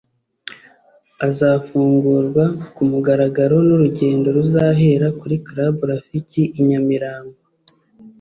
azafungurwa ku mugaragaro n’urugendo ruzahera kuri Club Rafiki i Nyamirambo